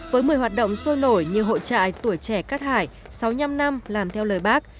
với một mươi hoạt động sôi nổi như hội trại tuổi trẻ cát hải sáu mươi năm năm làm theo lời bác